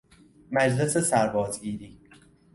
مجلس سرباز گیری